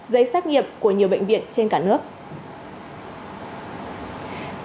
và nhiều bệnh viện trên cả nước